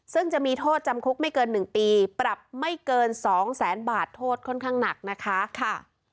ซึ่งจะมีโทษจำคุกไม่เกิน๑ปีปรับไม่เกิน๒แสนบาทโทษค่อนข้างหนักนะคะ